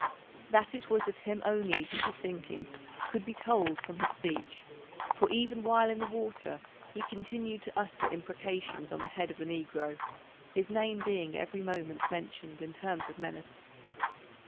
That it was of him only he was thinking could be told from his speech, for even while in the water he continued to utter imprecations on the head of the negro, his name being every moment mentioned in terms of menace.